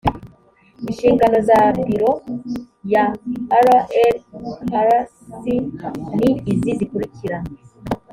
inshingano za biro ya rlrc ni izi zikurikira